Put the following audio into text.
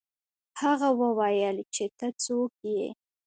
هغه وویل چې ته څوک یې.